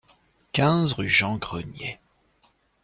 quinze rue Jean Grenier